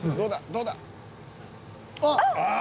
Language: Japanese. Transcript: どうだ？」